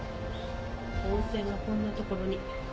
温泉がこんな所に。